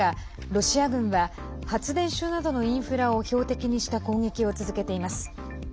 ロシア軍は発電所などのインフラを標的にした攻撃を続けています。